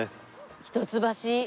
一橋。